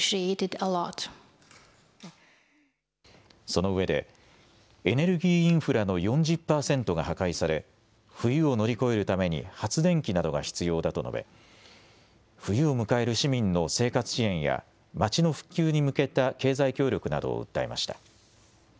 そのうえでエネルギーインフラの４０％が破壊され、冬を乗り越えるために発電機などが必要だと述べ冬を迎える市民の生活支援や街の復旧に向けた経済協力などを訴えました。